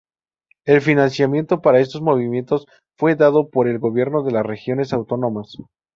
El financiamiento para estos movimientos fue dado por el gobierno de las regiones autónomas.